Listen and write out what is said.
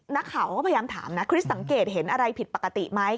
นักข่าวก็พยายามถามนะคริสสังเกตเห็นอะไรผิดปกติไหม